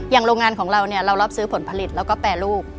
โรงงานของเราเนี่ยเรารับซื้อผลผลิตแล้วก็แปรรูป